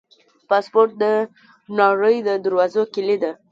پاسپورټ د نړۍ د دروازو کلي ده.